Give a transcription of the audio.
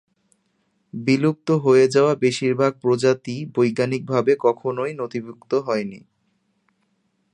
বিলুপ্ত হয়ে যাওয়া বেশিরভাগ প্রজাতিই বৈজ্ঞানিকভাবে কখনই নথিভুক্ত হয়নি।